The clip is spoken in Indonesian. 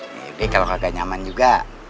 ya udah deh kalau kagak nyaman juga